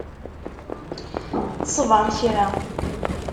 Sbeṛ kra.